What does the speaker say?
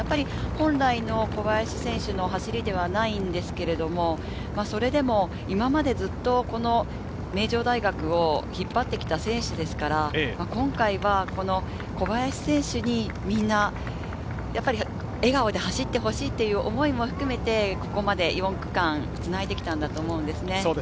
本来の小林選手の走りではないんですけれども、それでも、今までずっと、この名城大学を引っ張ってきた選手ですから、今回はこの小林選手に、みんな笑顔で走ってほしいという思いも含めて、ここまで４区間つないできたんだと思うんです。